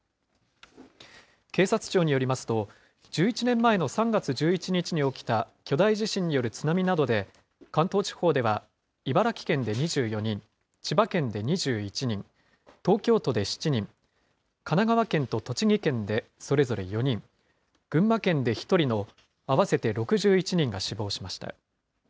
警察庁によりますと、１１年前の３月１１日に起きた巨大地震による津波などで、関東地方では茨城県で２４人、千葉県で２１人、東京都で７人、神奈川県と栃木県でそれぞれ４人、群馬県で１人の合わせて６１人が死亡しました。